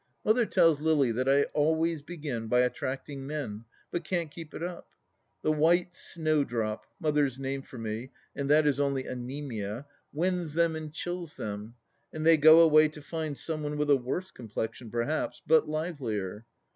Mother tells Lily that I always begin by attracting men, but can't keep it up. The " White Snowdrop "— Mother's name for me, and that is only anaemia — wins them and chills them, and they go away to find some one with a worse com plexion, perhaps, but livelier.